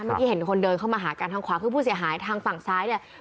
เมื่อกี้เห็นคนเดินเข้ามาหากันทางขวาคือผู้เสียหายทางฝั่งซ้ายเนี่ย